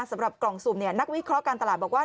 สำหรับกล่องสุ่มนักวิเคราะห์การตลาดบอกว่า